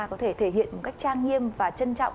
có thể thể hiện một cách trang nghiêm và trân trọng